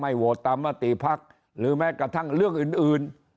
โหวตตามมติภักดิ์หรือแม้กระทั่งเรื่องอื่น